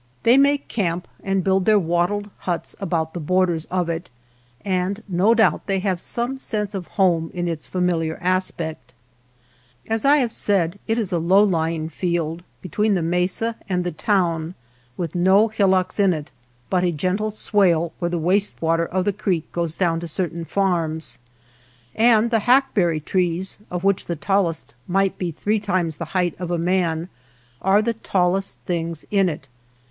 They make camp and build their wattled huts about the borders of it, and no doubt they 129 MY NEIGHBORS FIELD have some sense of home in its familiar aspect. As I have said, it is a low lying field, between the mesa and the town, with no hillocks in it, but a gentle swale where the waste water of the creek'^oesjx)wn_to cejtain_Jarms, and the hackberry4reeSj_of^ which the tallest miorht be three times the height of a man, are the talleat things in it.